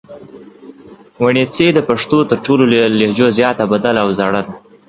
وڼېڅي د پښتو تر ټولو لهجو زیاته بدله او زړه ده